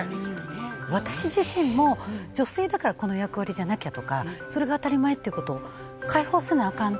私自身も女性だからこの役割じゃなきゃとかそれが当たり前っていうことを解放せなあかん